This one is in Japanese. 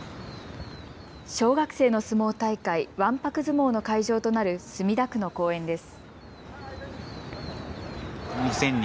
小学生の相撲大会、わんぱく相撲の会場となる墨田区の公園です。